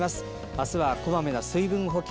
明日はこまめな水分補給